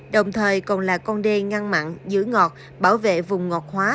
đồng thời còn là con đê ngăn mặn giữ ngọt bảo vệ vùng ngọt hóa